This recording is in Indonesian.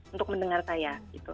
untuk mendengar saya